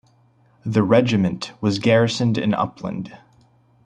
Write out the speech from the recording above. The regiment was garrisoned in Uppland.